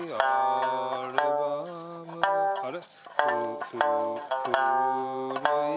あれ？